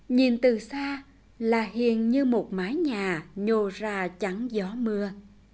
nhìn từ xa là hiền như một mái nhà nhồ ra chắn gió mưa